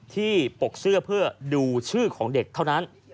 ปกเสื้อเพื่อดูชื่อของเด็กเท่านั้น